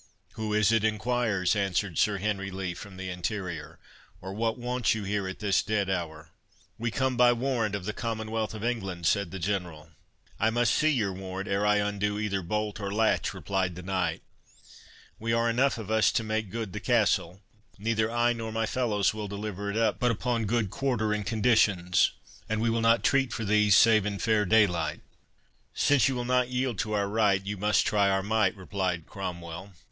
"Who is it enquires?" answered Sir Henry Lee from the interior; "or what want you here at this dead hour?" "We come by warrant of the Commonwealth of England," said the General. "I must see your warrant ere I undo either bolt or latch," replied the knight; "we are enough of us to make good the castle: neither I nor my fellows will deliver it up but upon good quarter and conditions; and we will not treat for these save in fair daylight." "Since you will not yield to our right, you must try our might," replied Cromwell.